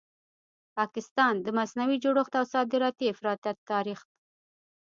پاکستان؛ د مصنوعي جوړښت او صادراتي افراطیت تاریخ